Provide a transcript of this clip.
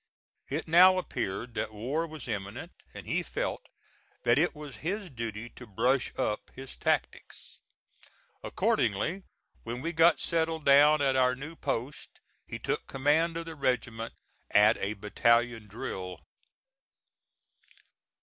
It now appeared that war was imminent, and he felt that it was his duty to brush up his tactics. Accordingly, when we got settled down at our new post, he took command of the regiment at a battalion drill.